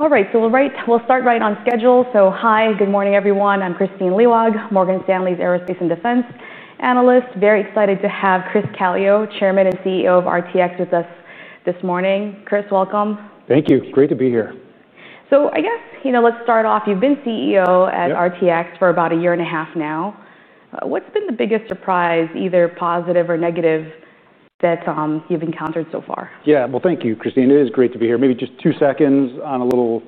All right, we'll start right on schedule. Hi, good morning everyone. I'm Kristine Liwag, Morgan Stanley's Aerospace and Defense Analyst. Very excited to have Chris Calio, Chairman and CEO of RTX, with us this morning. Chris, welcome. Thank you. It's great to be here. Let's start off. You've been CEO at RTX for about a year and a half now. What's been the biggest surprise, either positive or negative, that you've encountered so far? Thank you, Kristine. It is great to be here. Maybe just two seconds on a little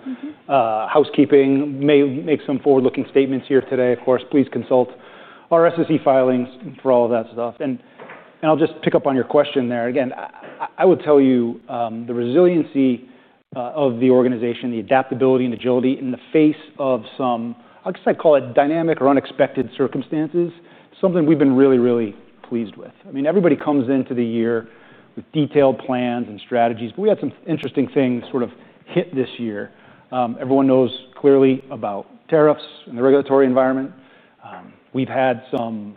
housekeeping. We may make some forward-looking statements here today, of course. Please consult our SEC filings for all of that stuff. I'll just pick up on your question there. I would tell you the resiliency of the organization, the adaptability and agility in the face of some, I guess I'd call it dynamic or unexpected circumstances, something we've been really, really pleased with. Everybody comes into the year with detailed plans and strategies, but we had some interesting things sort of hit this year. Everyone knows clearly about tariffs and the regulatory environment. We've had some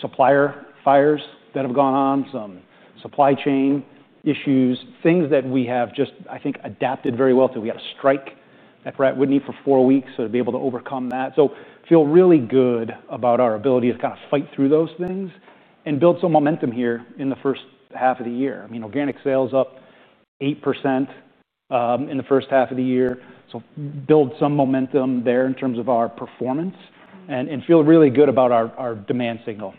supplier fires that have gone on, some supply chain issues, things that we have just, I think, adapted very well to. We had a strike at Pratt & Whitney for four weeks, to be able to overcome that. I feel really good about our ability to kind of fight through those things and build some momentum here in the first half of the year. Organic sales up 8% in the first half of the year. Build some momentum there in terms of our performance and feel really good about our demand signal.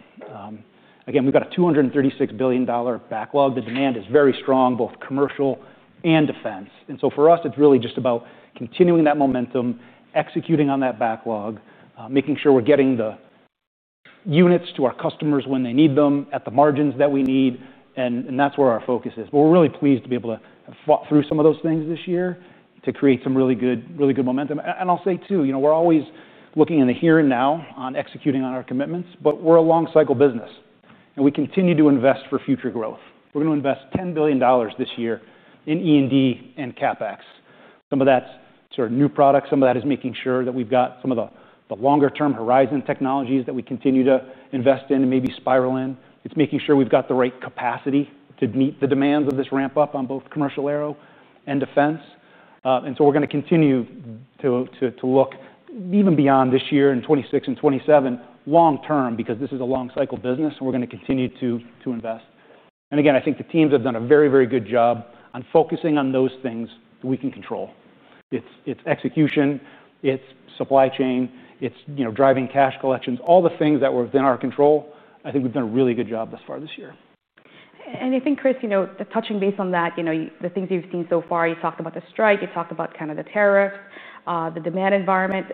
We've got a $236 billion backlog. The demand is very strong, both commercial and defense. For us, it's really just about continuing that momentum, executing on that backlog, making sure we're getting the units to our customers when they need them, at the margins that we need. That's where our focus is. We're really pleased to be able to have fought through some of those things this year to create some really good momentum. I'll say too, we're always looking in the here and now on executing on our commitments, but we're a long-cycle business. We continue to invest for future growth. We're going to invest $10 billion this year in E&D and CapEx. Some of that's sort of new products. Some of that is making sure that we've got some of the longer-term horizon technologies that we continue to invest in and maybe spiral in. It's making sure we've got the right capacity to meet the demands of this ramp-up on both commercial aero and defense. We're going to continue to look even beyond this year in 2026 and 2027 long-term, because this is a long-cycle business. We're going to continue to invest. I think the teams have done a very, very good job on focusing on those things that we can control. It's execution, it's supply chain, it's driving cash collections, all the things that were within our control. I think we've done a really good job thus far this year. Chris, touching base on that, the things you've seen so far, you talked about the strike, you talked about the tariffs, the demand environment.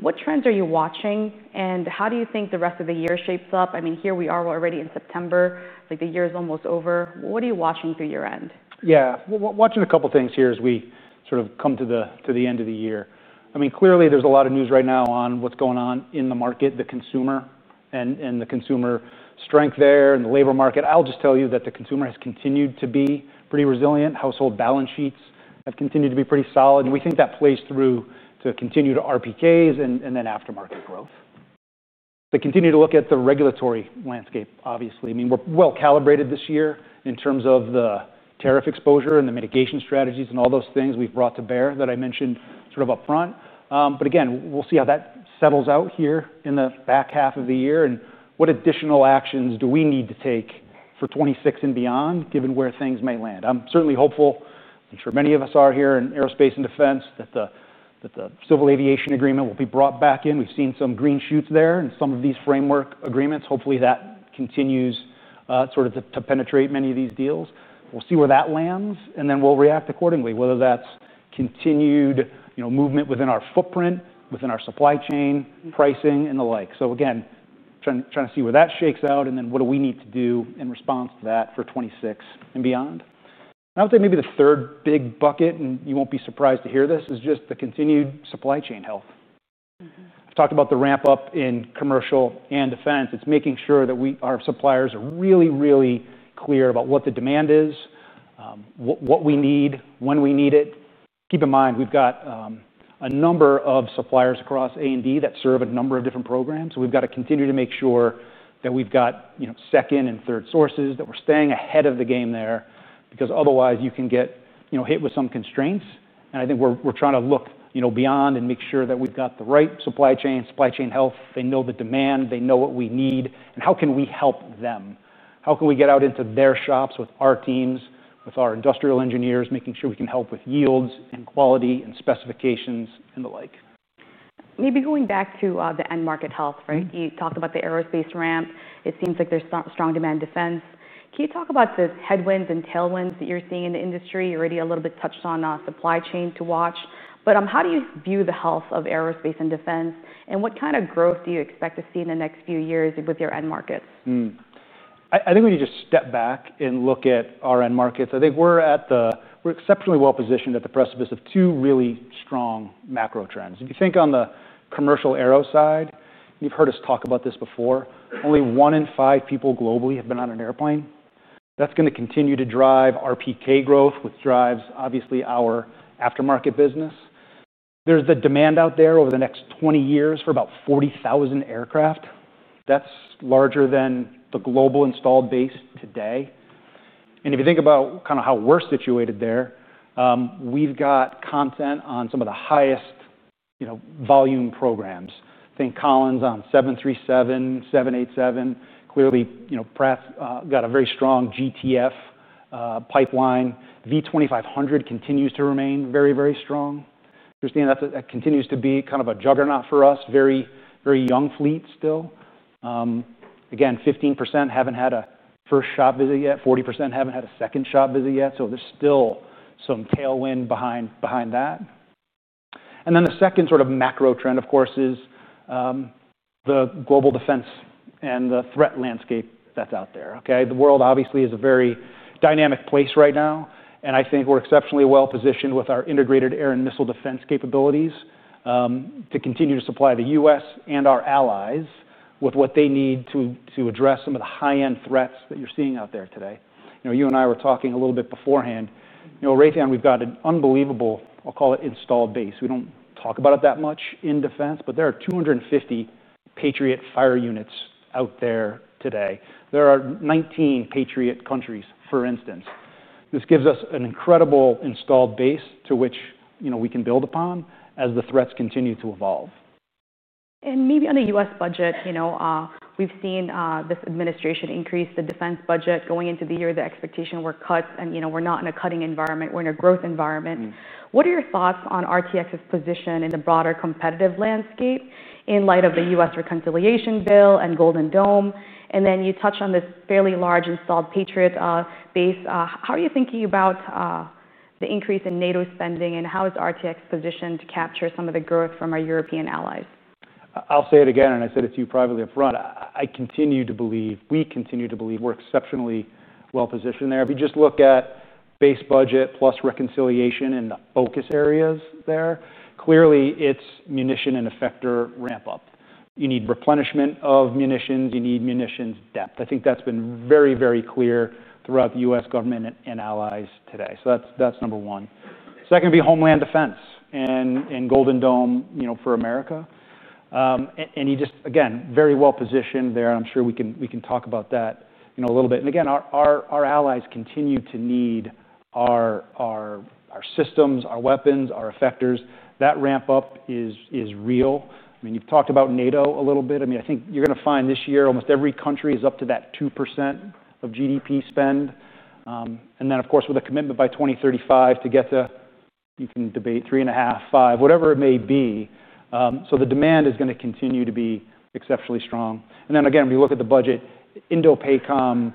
What trends are you watching? How do you think the rest of the year shapes up? Here we are already in September. It's like the year's almost over. What are you watching through year end? Yeah, we're watching a couple of things here as we sort of come to the end of the year. Clearly, there's a lot of news right now on what's going on in the market, the consumer, and the consumer strength there and the labor market. I'll just tell you that the consumer has continued to be pretty resilient. Household balance sheets have continued to be pretty solid, and we think that plays through to continue to RPKs and then aftermarket growth. They continue to look at the regulatory landscape, obviously. We're well calibrated this year in terms of the tariff exposure and the mitigation strategies and all those things we've brought to bear that I mentioned sort of up front. We'll see how that settles out here in the back half of the year and what additional actions do we need to take for 2026 and beyond, given where things might land. I'm certainly hopeful, I'm sure many of us are here in aerospace and defense, that the Civil Aviation Agreement will be brought back in. We've seen some green shoots there in some of these framework agreements. Hopefully, that continues to penetrate many of these deals. We'll see where that lands, and then we'll react accordingly, whether that's continued movement within our footprint, within our supply chain, pricing, and the like. Again, trying to see where that shakes out and what do we need to do in response to that for 2026 and beyond. I would say maybe the third big bucket, and you won't be surprised to hear this, is just the continued supply chain health. I've talked about the ramp-up in commercial and defense. It's making sure that our suppliers are really, really clear about what the demand is, what we need, when we need it. Keep in mind, we've got a number of suppliers across A&D that serve a number of different programs, so we've got to continue to make sure that we've got second and third sources, that we're staying ahead of the game there, because otherwise you can get hit with some constraints. I think we're trying to look beyond and make sure that we've got the right supply chain, supply chain health. They know the demand. They know what we need, and how can we help them? How can we get out into their shops with our teams, with our industrial engineers, making sure we can help with yields and quality and specifications and the like? Maybe going back to the end market health, right? You talked about the aerospace ramp. It seems like there's strong demand defense. Can you talk about the headwinds and tailwinds that you're seeing in the industry? You already a little bit touched on supply chain to watch. How do you view the health of aerospace and defense? What kind of growth do you expect to see in the next few years with your end markets? I think we need to step back and look at our end markets. I think we're exceptionally well positioned at the precipice of two really strong macro trends. If you think on the commercial aero side, you've heard us talk about this before, only one in five people globally have been on an airplane. That's going to continue to drive RPK growth, which drives obviously our aftermarket business. There's the demand out there over the next 20 years for about 40,000 aircraft. That's larger than the global installed base today. If you think about kind of how we're situated there, we've got content on some of the highest volume programs. Think Collins on 737, 787. Clearly, you know, Pratt got a very strong GTF pipeline. V2500 continues to remain very, very strong. You understand that that continues to be kind of a juggernaut for us, very, very young fleet still. Again, 15% haven't had a first shop visit yet. 40% haven't had a second shop visit yet. There's still some tailwind behind that. The second sort of macro trend, of course, is the global defense and the threat landscape that's out there. The world obviously is a very dynamic place right now. I think we're exceptionally well positioned with our integrated air and missile defense capabilities to continue to supply the U.S. and our allies with what they need to address some of the high-end threats that you're seeing out there today. You know, you and I were talking a little bit beforehand. You know, Raytheon, we've got an unbelievable, I'll call it, installed base. We don't talk about it that much in defense, but there are 250 Patriot fire units out there today. There are 19 Patriot countries, for instance. This gives us an incredible installed base to which we can build upon as the threats continue to evolve. Maybe on the U.S. budget, we've seen this administration increase the defense budget going into the year. The expectation were cuts. We're not in a cutting environment. We're in a growth environment. What are your thoughts on RTX's position in the broader competitive landscape in light of the U.S. reconciliation bill and Golden Dome? You touched on this fairly large installed Patriot base. How are you thinking about the increase in NATO spending? How is RTX positioned to capture some of the growth from our European allies? I'll say it again. I said it to you privately up front. I continue to believe, we continue to believe we're exceptionally well positioned there. If you just look at base budget plus reconciliation and the focus areas there, clearly it's munition and effector ramp-up. You need replenishment of munitions. You need munitions depth. I think that's been very, very clear throughout the U.S. government and allies today. That's number one. Second would be homeland defense and Golden Dome for America. You just, again, very well positioned there. I'm sure we can talk about that a little bit. Our allies continue to need our systems, our weapons, our effectors. That ramp-up is real. You've talked about NATO a little bit. I think you're going to find this year almost every country is up to that 2% of GDP spend. Of course, with a commitment by 2035 to get to, you can debate 3.5%, 5%, whatever it may be. The demand is going to continue to be exceptionally strong. When you look at the budget, Indo-PACOM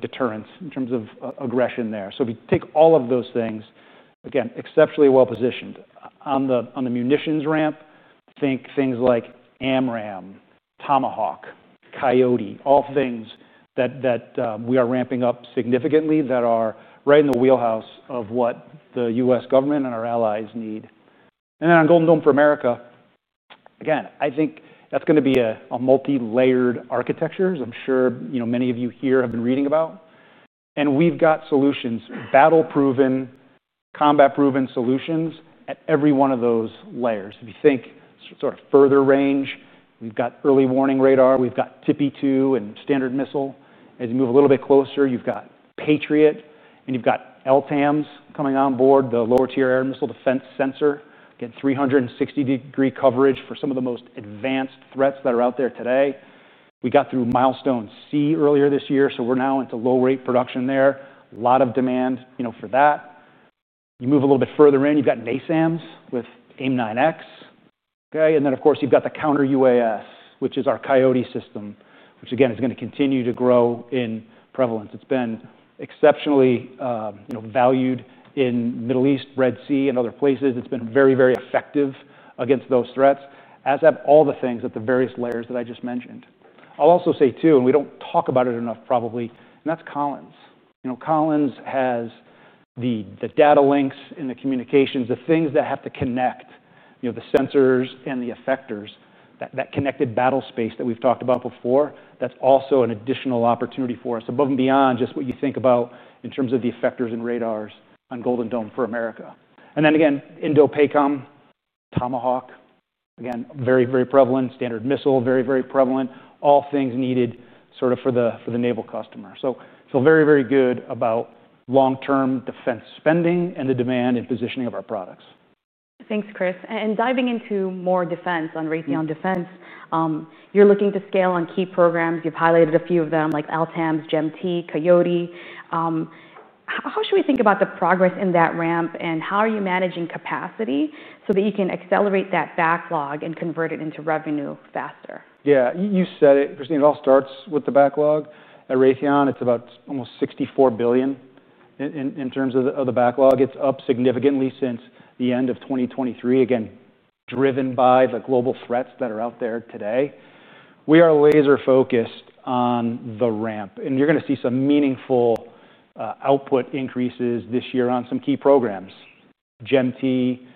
deterrence in terms of aggression there. If you take all of those things, again, exceptionally well positioned. On the munitions ramp, think things like AMRAAM, Tomahawk, Coyote, all things that we are ramping up significantly that are right in the wheelhouse of what the U.S. government and our allies need. On Golden Dome for America, again, I think that's going to be a multi-layered architecture. I'm sure many of you here have been reading about it. We've got solutions, battle-proven, combat-proven solutions at every one of those layers. If you think sort of further range, we've got early warning radar. We've got TPY-2 and Standard Missile. As you move a little bit closer, you've got Patriot. You've got LTAMDS coming on board, the Lower Tier Air and Missile Defense Sensor. Again, 360-degree coverage for some of the most advanced threats that are out there today. We got through Milestone C earlier this year. We're now into low-rate production there. A lot of demand for that. You move a little bit further in, you've got NASAMS with AIM-9X. Of course, you've got the counter UAS, which is our Coyote system, which again is going to continue to grow in prevalence. It's been exceptionally valued in the Middle East, Red Sea, and other places. It's been very, very effective against those threats, as have all the things at the various layers that I just mentioned. I'll also say too, we don't talk about it enough probably, and that's Collins. Collins has the data links in the communications, the things that have to connect the sensors and the effectors, that connected battle space that we've talked about before. That's also an additional opportunity for us, above and beyond just what you think about in terms of the effectors and radars on Golden Dome for America. Indo-PACOM, Tomahawk, very, very prevalent. Standard Missile, very, very prevalent. All things needed sort of for the naval customer. I feel very, very good about long-term defense spending and the demand and positioning of our products. Thanks, Chris. Diving into more defense, on Raytheon defense, you're looking to scale on key programs. You've highlighted a few of them, like LTAMDS, GEM-T, Coyote. How should we think about the progress in that ramp? How are you managing capacity so that you can accelerate that backlog and convert it into revenue faster? Yeah, you said it, Kristine. It all starts with the backlog. At RTX, it's about almost $64 billion in terms of the backlog. It's up significantly since the end of 2023, again, driven by the global threats that are out there today. We are laser-focused on the ramp, and you're going to see some meaningful output increases this year on some key programs: GEM-T,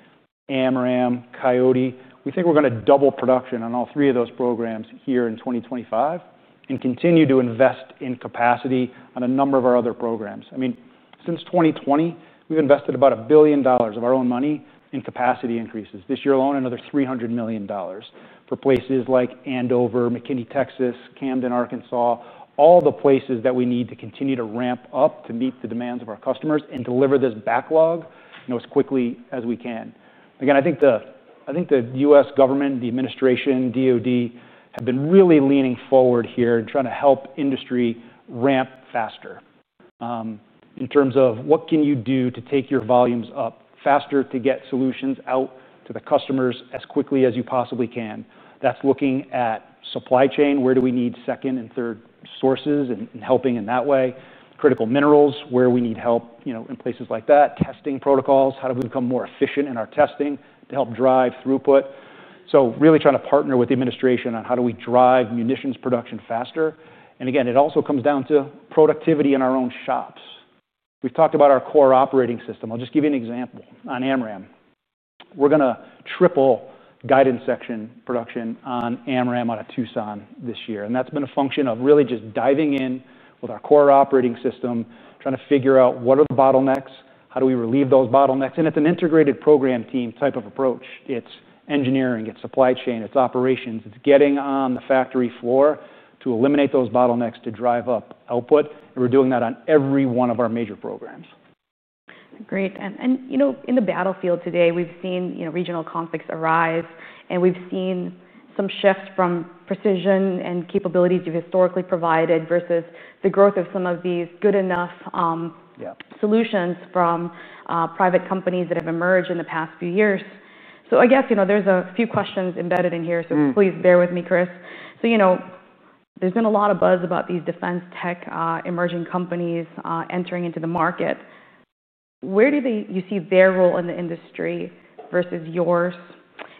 AMRAAM, Coyote. We think we're going to double production on all three of those programs here in 2025 and continue to invest in capacity on a number of our other programs. I mean, since 2020, we've invested about $1 billion of our own money in capacity increases. This year alone, another $300 million for places like Andover, McKinney, Texas, Camden, Arkansas, all the places that we need to continue to ramp up to meet the demands of our customers and deliver this backlog as quickly as we can. I think the U.S. government, the administration, DOD have been really leaning forward here and trying to help industry ramp faster in terms of what can you do to take your volumes up faster, to get solutions out to the customers as quickly as you possibly can. That's looking at supply chain. Where do we need second and third sources and helping in that way? Critical minerals, where do we need help in places like that? Testing protocols. How do we become more efficient in our testing to help drive throughput? Really trying to partner with the administration on how do we drive munitions production faster. It also comes down to productivity in our own shops. We've talked about our core operating system. I'll just give you an example. On AMRAAM, we're going to triple guidance section production on AMRAAM out of Tucson this year, and that's been a function of really just diving in with our core operating system, trying to figure out what are the bottlenecks. How do we relieve those bottlenecks? It's an integrated program team type of approach. It's engineering, it's supply chain, it's operations. It's getting on the factory floor to eliminate those bottlenecks to drive up output, and we're doing that on every one of our major programs. Great. In the battlefield today, we've seen regional conflicts arise. We've seen some shifts from precision and capabilities you've historically provided versus the growth of some of these good enough solutions from private companies that have emerged in the past few years. I guess there's a few questions embedded in here. Please bear with me, Chris. There's been a lot of buzz about these defense tech emerging companies entering into the market. Where do you see their role in the industry versus yours?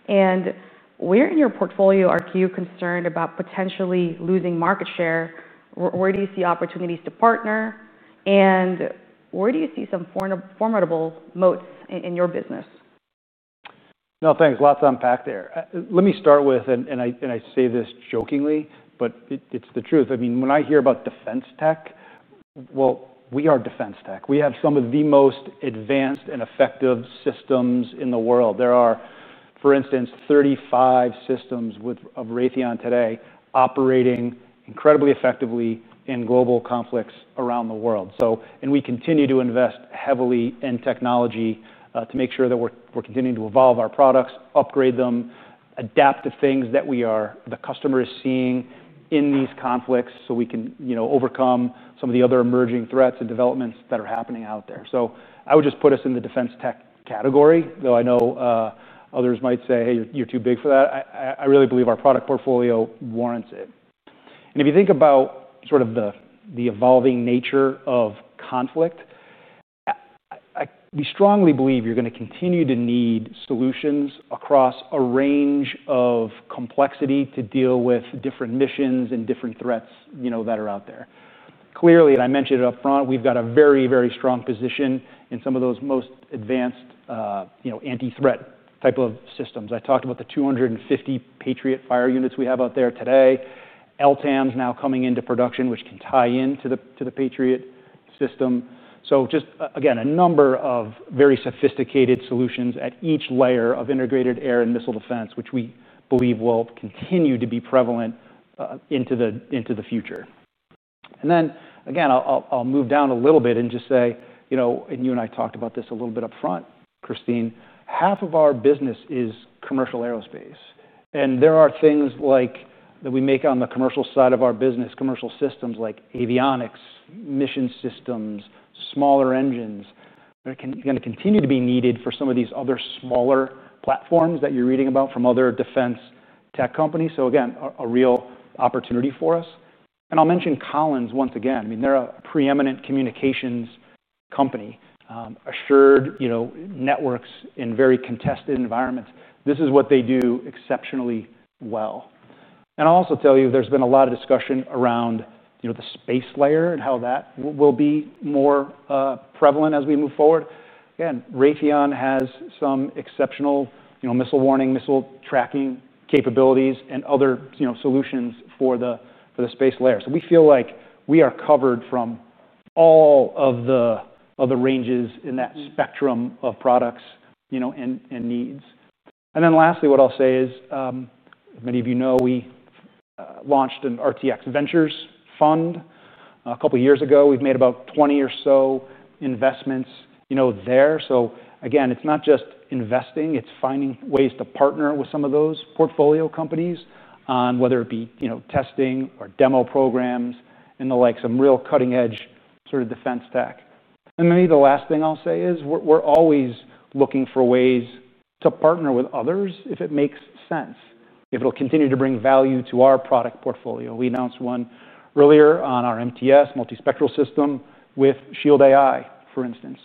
Where in your portfolio are you concerned about potentially losing market share? Where do you see opportunities to partner? Where do you see some formidable moats in your business? No, thanks. Lots to unpack there. Let me start with, and I say this jokingly, but it's the truth. I mean, when I hear about defense tech, we are defense tech. We have some of the most advanced and effective systems in the world. There are, for instance, 35 systems of Raytheon today operating incredibly effectively in global conflicts around the world. We continue to invest heavily in technology to make sure that we're continuing to evolve our products, upgrade them, adapt to things that the customer is seeing in these conflicts so we can overcome some of the other emerging threats and developments that are happening out there. I would just put us in the defense tech category, though I know others might say, hey, you're too big for that. I really believe our product portfolio warrants it. If you think about sort of the evolving nature of conflict, we strongly believe you're going to continue to need solutions across a range of complexity to deal with different missions and different threats that are out there. Clearly, and I mentioned it up front, we've got a very, very strong position in some of those most advanced anti-threat type of systems. I talked about the 250 Patriot fire units we have out there today. LTAMDS now coming into production, which can tie into the Patriot system. Just, again, a number of very sophisticated solutions at each layer of integrated air and missile defense, which we believe will continue to be prevalent into the future. I'll move down a little bit and just say, you know, and you and I talked about this a little bit up front, Kristine. Half of our business is commercial aerospace. There are things like that we make on the commercial side of our business, commercial systems like avionics, mission systems, smaller engines, that are going to continue to be needed for some of these other smaller platforms that you're reading about from other defense tech companies. Again, a real opportunity for us. I'll mention Collins once again. They're a preeminent communications company, assured networks in very contested environments. This is what they do exceptionally well. I'll also tell you, there's been a lot of discussion around the space layer and how that will be more prevalent as we move forward. Raytheon has some exceptional missile warning, missile tracking capabilities, and other solutions for the space layer. We feel like we are covered from all of the ranges in that spectrum of products and needs. Lastly, what I'll say is, many of you know, we launched an RTX Ventures Fund a couple of years ago. We've made about 20 or so investments there. Again, it's not just investing. It's finding ways to partner with some of those portfolio companies on whether it be testing or demo programs and the like, some real cutting-edge sort of defense tech. Maybe the last thing I'll say is, we're always looking for ways to partner with others if it makes sense, if it'll continue to bring value to our product portfolio. We announced one earlier on our Multi-Spectral Targeting System with Shield AI, for instance.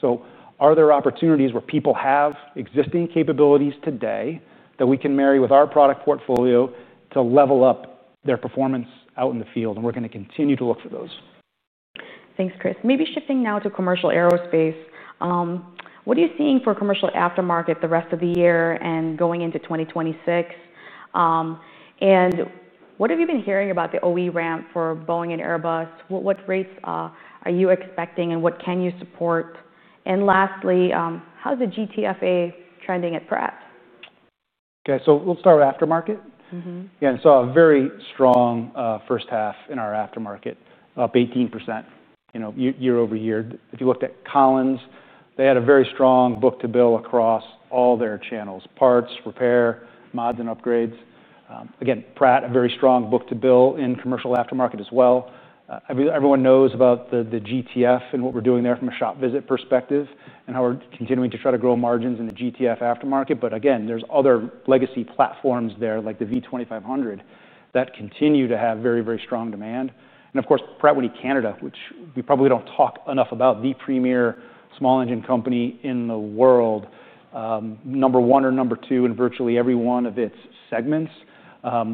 Are there opportunities where people have existing capabilities today that we can marry with our product portfolio to level up their performance out in the field? We're going to continue to look for those. Thanks, Chris. Maybe shifting now to commercial aerospace. What are you seeing for commercial aftermarket the rest of the year and going into 2026? What have you been hearing about the OE ramp for Boeing and Airbus? What rates are you expecting and what can you support? Lastly, how's the GTF Advantage engine trending at Pratt? OK, so we'll start with aftermarket. I saw a very strong first half in our aftermarket, up 18% year-over-year. If you looked at Collins, they had a very strong book-to-bill across all their channels: parts, repair, mods, and upgrades. Again, Pratt, a very strong book-to-bill in commercial aftermarket as well. Everyone knows about the GTF and what we're doing there from a shop visit perspective and how we're continuing to try to grow margins in the GTF aftermarket. There's other legacy platforms there, like the V2500, that continue to have very, very strong demand. Of course, Pratt & Whitney Canada, which we probably don't talk enough about, the premier small engine company in the world, number one or number two in virtually every one of its segments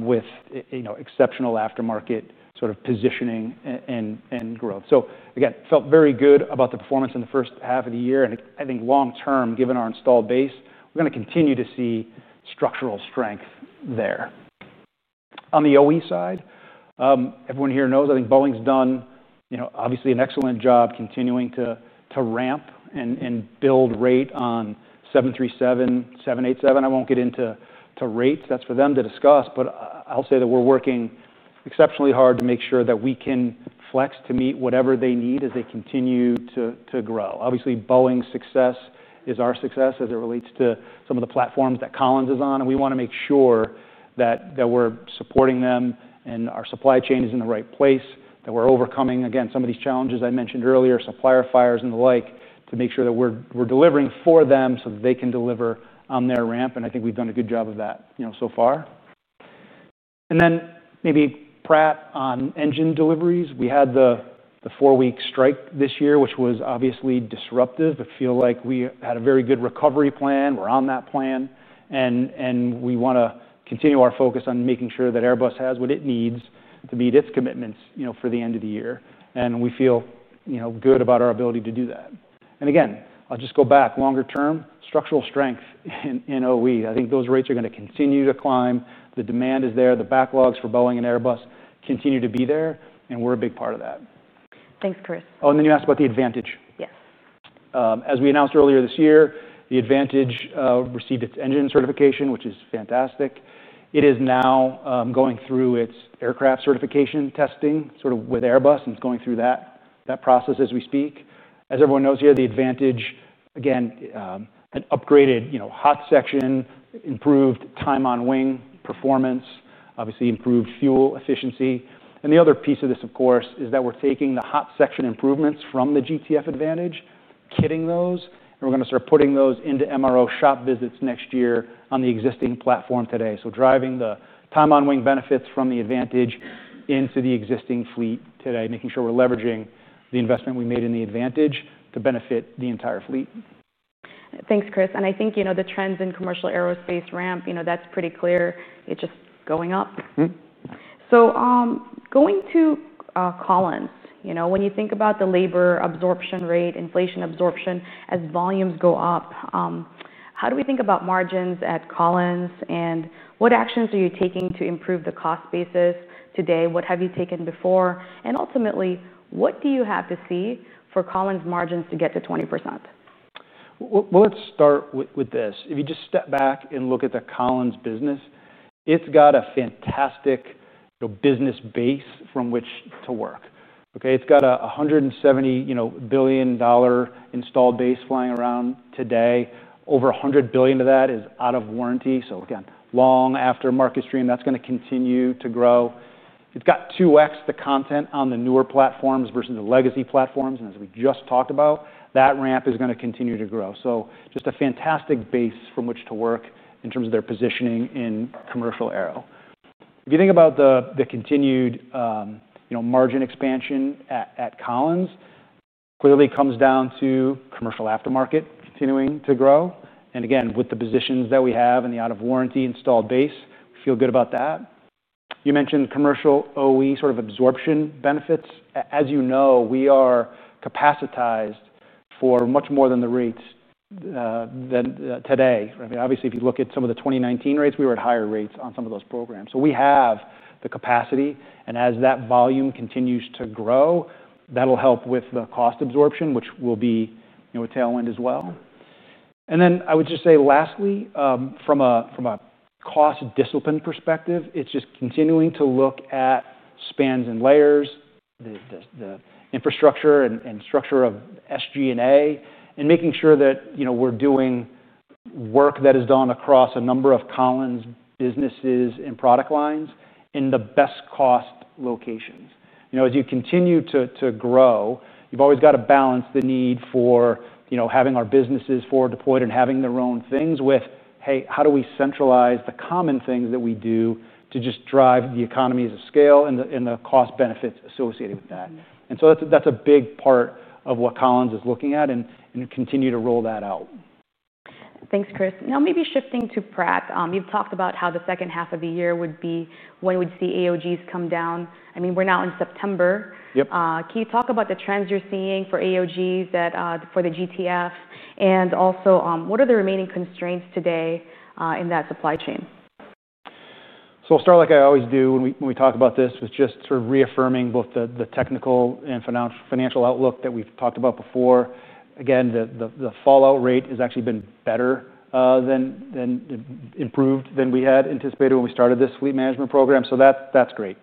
with exceptional aftermarket sort of positioning and growth. I felt very good about the performance in the first half of the year. I think long term, given our installed base, we're going to continue to see structural strength there. On the OE side, everyone here knows, I think Boeing's done obviously an excellent job continuing to ramp and build rate on 737, 787. I won't get into rates. That's for them to discuss. I'll say that we're working exceptionally hard to make sure that we can flex to meet whatever they need as they continue to grow. Obviously, Boeing's success is our success as it relates to some of the platforms that Collins is on. We want to make sure that we're supporting them and our supply chain is in the right place, that we're overcoming, again, some of these challenges I mentioned earlier, supplier fires and the like, to make sure that we're delivering for them so that they can deliver on their ramp. I think we've done a good job of that so far. Maybe Pratt on engine deliveries. We had the four-week strike this year, which was obviously disruptive. I feel like we had a very good recovery plan. We're on that plan. We want to continue our focus on making sure that Airbus has what it needs to meet its commitments for the end of the year. We feel good about our ability to do that. I'll just go back. Longer term, structural strength in OE. I think those rates are going to continue to climb. The demand is there. The backlogs for Boeing and Airbus continue to be there. We're a big part of that. Thanks, Chris. Oh, and then you asked about the GTF Advantage engine. Yes. As we announced earlier this year, the GTF Advantage engine received its engine certification, which is fantastic. It is now going through its aircraft certification testing with Airbus, and it's going through that process as we speak. As everyone knows here, the Advantage, again, an upgraded hot section, improved time on wing performance, obviously improved fuel efficiency. The other piece of this, of course, is that we're taking the hot section improvements from the GTF Advantage, kitting those, and we're going to start putting those into MRO shop visits next year on the existing platform today. Driving the time on wing benefits from the Advantage into the existing fleet today, making sure we're leveraging the investment we made in the Advantage to benefit the entire fleet. Thanks, Chris. I think the trends in commercial aerospace ramp, you know, that's pretty clear. It's just going up. Going to Collins, when you think about the labor absorption rate, inflation absorption, as volumes go up, how do we think about margins at Collins? What actions are you taking to improve the cost basis today? What have you taken before? Ultimately, what do you have to see for Collins' margins to get to 20%? If you just step back and look at the Collins business, it's got a fantastic business base from which to work. It's got a $170 billion installed base flying around today. Over $100 billion of that is out of warranty. Again, long aftermarket stream that's going to continue to grow. It's got 2X the content on the newer platforms versus the legacy platforms. As we just talked about, that ramp is going to continue to grow. Just a fantastic base from which to work in terms of their positioning in commercial aero. If you think about the continued margin expansion at Collins, clearly comes down to commercial aftermarket continuing to grow. With the positions that we have and the out-of-warranty installed base, we feel good about that. You mentioned commercial OE sort of absorption benefits. As you know, we are capacitized for much more than the rates today. Obviously, if you look at some of the 2019 rates, we were at higher rates on some of those programs. We have the capacity, and as that volume continues to grow, that'll help with the cost absorption, which will be a tailwind as well. Lastly, from a cost discipline perspective, it's just continuing to look at spans and layers, the infrastructure and structure of SG&A, and making sure that we're doing work that is done across a number of Collins businesses and product lines in the best cost locations. As you continue to grow, you've always got to balance the need for having our businesses forward deployed and having their own things with, hey, how do we centralize the common things that we do to just drive the economies of scale and the cost benefits associated with that? That's a big part of what Collins is looking at and continue to roll that out. Thanks, Chris. Now, maybe shifting to Pratt, you've talked about how the second half of the year would be when we'd see AOGs come down. We're now in September. Can you talk about the trends you're seeing for AOGs for the GTF? Also, what are the remaining constraints today in that supply chain? I'll start like I always do when we talk about this, with just sort of reaffirming both the technical and financial outlook that we've talked about before. Again, the fallout rate has actually been better than we had anticipated when we started this fleet management program. That's great.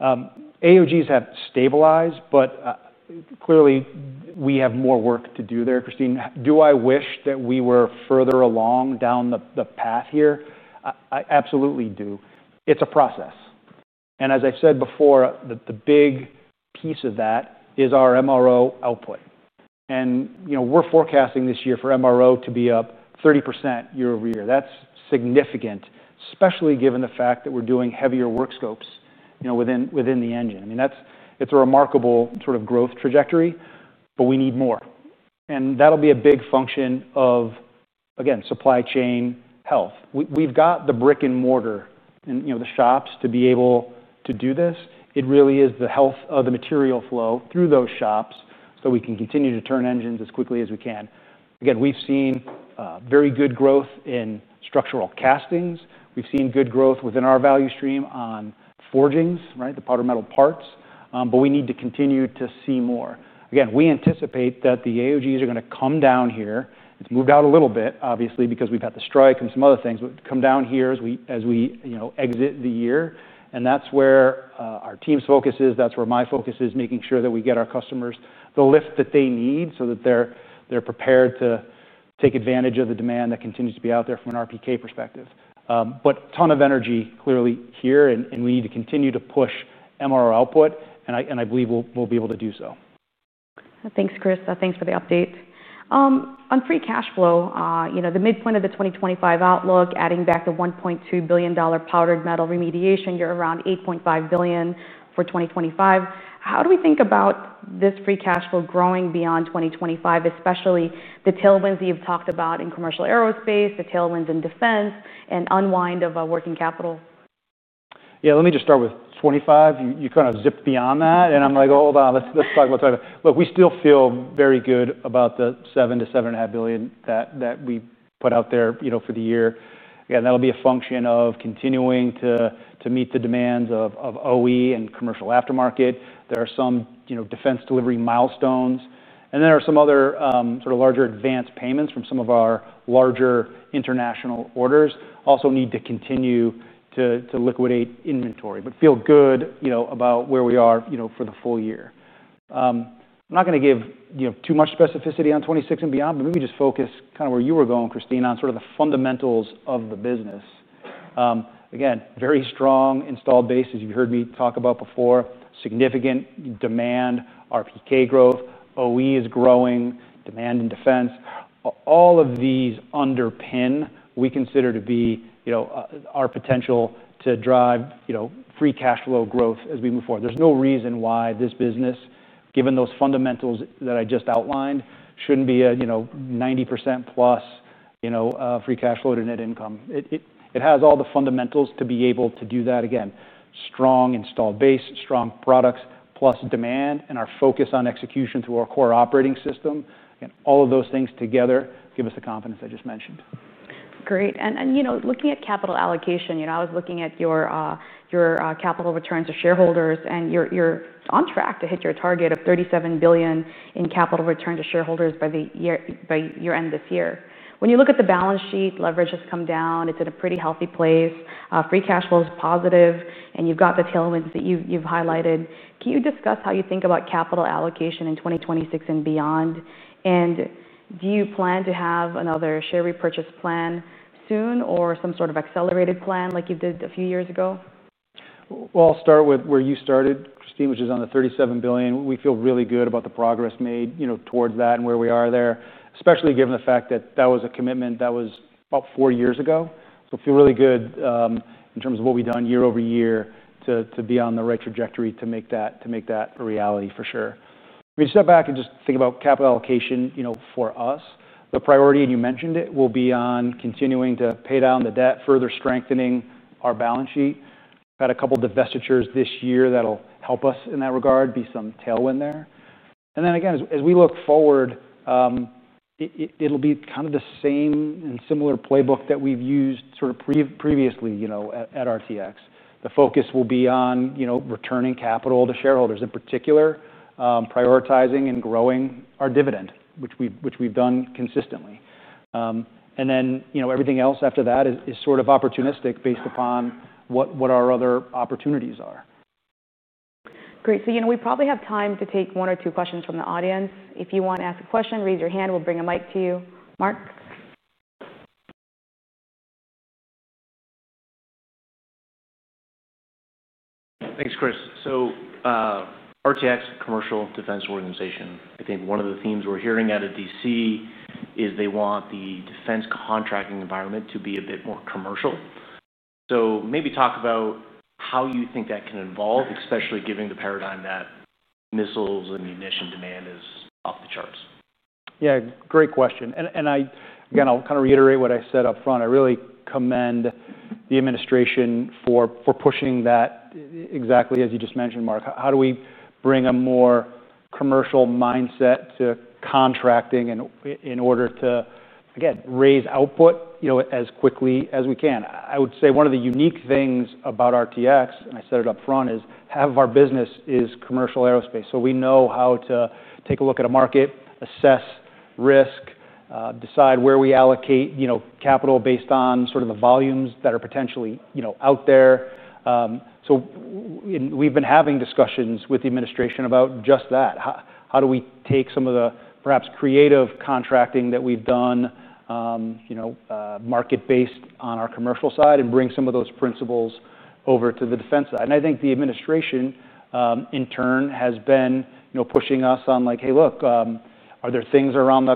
AOGs have stabilized, but clearly we have more work to do there, Kristine. Do I wish that we were further along down the path here? I absolutely do. It's a process. As I said before, the big piece of that is our MRO output. We're forecasting this year for MRO to be up 30% year-over-year. That's significant, especially given the fact that we're doing heavier work scopes within the engine. It's a remarkable sort of growth trajectory, but we need more. That'll be a big function of, again, supply chain health. We've got the brick and mortar and the shops to be able to do this. It really is the health of the material flow through those shops so we can continue to turn engines as quickly as we can. Again, we've seen very good growth in structural castings. We've seen good growth within our value stream on forgings, the powder metal parts. We need to continue to see more. We anticipate that the AOGs are going to come down here. It's moved out a little bit, obviously, because we've had the strike and some other things, but come down here as we exit the year. That's where our team's focus is. That's where my focus is, making sure that we get our customers the lift that they need so that they're prepared to take advantage of the demand that continues to be out there from an RPK perspective. A ton of energy clearly here. We need to continue to push MRO output. I believe we'll be able to do so. Thanks, Chris. Thanks for the update. On free cash flow, the midpoint of the 2025 outlook, adding back the $1.2 billion powdered metal remediation, you're around $8.5 billion for 2025. How do we think about this free cash flow growing beyond 2025, especially the tailwinds that you've talked about in commercial aerospace, the tailwinds in defense, and unwind of working capital? Yeah, let me just start with 2025. You kind of zipped beyond that. I'm like, oh, hold on. Let's talk about 2025. Look, we still feel very good about the $7 billion-$7.5 billion that we put out there for the year. Again, that'll be a function of continuing to meet the demands of OE and commercial aftermarket. There are some defense delivery milestones. There are some other sort of larger advance payments from some of our larger international orders. Also, need to continue to liquidate inventory, but feel good about where we are for the full year. I'm not going to give too much specificity on 2026 and beyond, but maybe just focus kind of where you were going, Christine, on sort of the fundamentals of the business. Again, very strong installed bases, you've heard me talk about before, significant demand, RPK growth, OE is growing, demand in defense. All of these underpin what we consider to be our potential to drive free cash flow growth as we move forward. There's no reason why this business, given those fundamentals that I just outlined, shouldn't be a 90%+ free cash flow to net income. It has all the fundamentals to be able to do that. Again, strong installed base, strong products plus demand, and our focus on execution through our core operating system. All of those things together give us the confidence I just mentioned. Great. Looking at capital allocation, I was looking at your capital return to shareholders. You're on track to hit your target of $37 billion in capital return to shareholders by year end this year. When you look at the balance sheet, leverage has come down. It's in a pretty healthy place. Free cash flow is positive, and you've got the tailwinds that you've highlighted. Can you discuss how you think about capital allocation in 2026 and beyond? Do you plan to have another share repurchase plan soon or some sort of accelerated plan like you did a few years ago? I'll start with where you started, Christine, which is on the $37 billion. We feel really good about the progress made towards that and where we are there, especially given the fact that that was a commitment that was about four years ago. I feel really good in terms of what we've done year over year to be on the right trajectory to make that a reality for sure. Step back and just think about capital allocation for us. The priority, and you mentioned it, will be on continuing to pay down the debt, further strengthening our balance sheet. We've had a couple of divestitures this year that'll help us in that regard, be some tailwind there. As we look forward, it'll be kind of the same and similar playbook that we've used previously at RTX. The focus will be on returning capital to shareholders in particular, prioritizing and growing our dividend, which we've done consistently. Everything else after that is sort of opportunistic based upon what our other opportunities are. Great. We probably have time to take one or two questions from the audience. If you want to ask a question, raise your hand. We'll bring a mic to you. Mark? Thanks, Chris. RTX, Commercial Defense Organization, I think one of the themes we're hearing out of D.C. is they want the defense contracting environment to be a bit more commercial. Maybe talk about how you think that can evolve, especially given the paradigm that missiles and munition demand is off the charts. Great question. I'll kind of reiterate what I said up front. I really commend the administration for pushing that exactly as you just mentioned, Mark. How do we bring a more commercial mindset to contracting in order to raise output as quickly as we can? I would say one of the unique things about RTX, and I said it up front, is half of our business is commercial aerospace. We know how to take a look at a market, assess risk, decide where we allocate capital based on the volumes that are potentially out there. We've been having discussions with the administration about just that. How do we take some of the perhaps creative contracting that we've done market-based on our commercial side and bring some of those principles over to the defense side? I think the administration, in turn, has been pushing us on like, hey, look, are there things around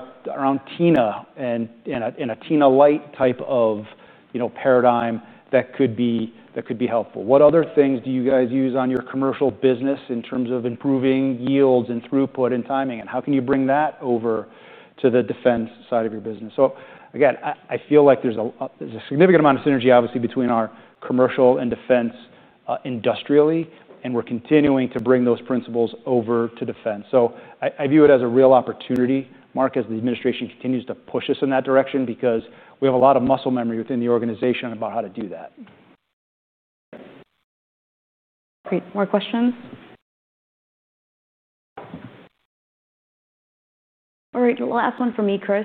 TINA and in a TINA light type of paradigm that could be helpful? What other things do you guys use on your commercial business in terms of improving yields and throughput and timing? How can you bring that over to the defense side of your business? I feel like there's a significant amount of synergy, obviously, between our commercial and defense industrially. We're continuing to bring those principles over to defense. I view it as a real opportunity, Mark, as the administration continues to push us in that direction because we have a lot of muscle memory within the organization about how to do that. Great. More questions? All right, the last one for me, Chris.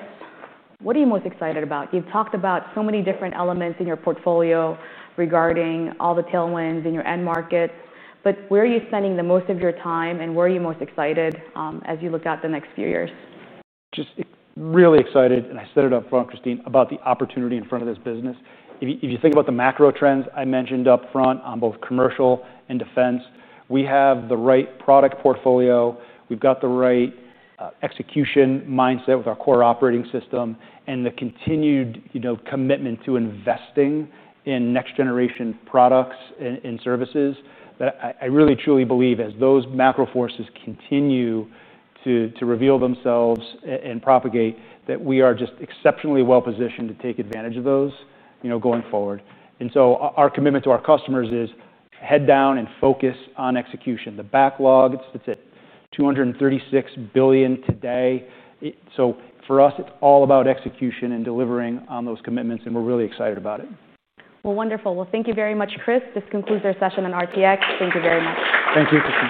What are you most excited about? You've talked about so many different elements in your portfolio regarding all the tailwinds in your end markets. Where are you spending the most of your time, and where are you most excited as you look out the next few years? Just really excited, and I said it up front, Kristine, about the opportunity in front of this business. If you think about the macro trends I mentioned up front on both commercial and defense, we have the right product portfolio. We've got the right execution mindset with our core operating system and the continued commitment to investing in next-generation products and services that I really, truly believe as those macro forces continue to reveal themselves and propagate, we are just exceptionally well positioned to take advantage of those going forward. Our commitment to our customers is head down and focus on execution. The backlog, it's at $236 billion today. For us, it's all about execution and delivering on those commitments. We're really excited about it. Thank you very much, Chris. This concludes our session on RTX. Thank you very much. Thank you, Kristine.